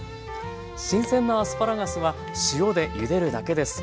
新鮮なアスパラガスは塩でゆでるだけです。